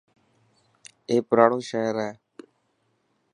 اي پراڻو شهر هي.